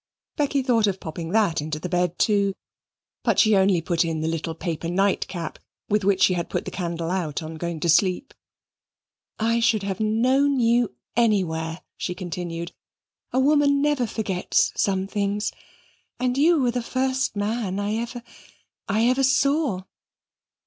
Becky thought of popping that into the bed too, but she only put in the little paper night cap with which she had put the candle out on going to sleep. "I should have known you anywhere," she continued; "a woman never forgets some things. And you were the first man I ever I ever saw."